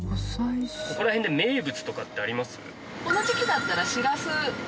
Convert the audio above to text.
ここら辺で名物とかってあります？